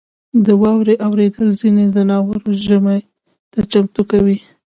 • د واورې اورېدل ځینې ځناور ژمي ته چمتو کوي.